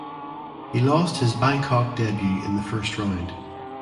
He lost his Bangkok debut in the first round.